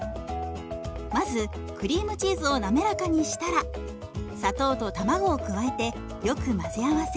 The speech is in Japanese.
まずクリームチーズを滑らかにしたら砂糖と卵を加えてよく混ぜ合わせ